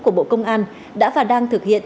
của bộ công an đã và đang thực hiện